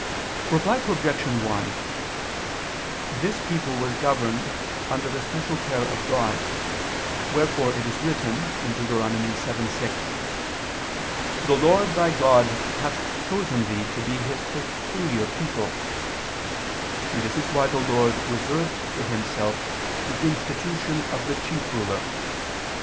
Reply Obj. 1: This people was governed under the special care of God: wherefore it is written (Deut. 7:6): "The Lord thy God hath chosen thee to be His peculiar people": and this is why the Lord reserved to Himself the institution of the chief ruler.